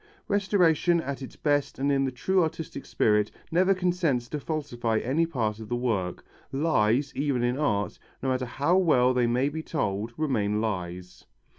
Restoration at its best and in the true artistic spirit never consents to falsify any part of the work. Lies, even in art, no matter how well they may be told, remain lies.